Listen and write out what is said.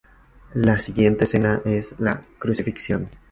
La siguiente escena es la "Crucifixión".